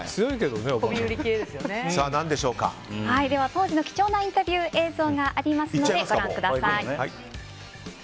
当時の貴重なインタビュー映像がありますのでご覧ください。